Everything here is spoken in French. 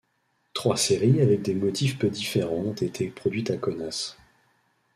Trois séries avec des motifs peu différents ont été produites à Kaunas.